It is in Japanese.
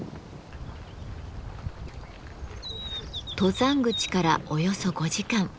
登山口からおよそ５時間。